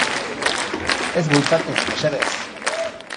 Ez bultzatu, mesedez.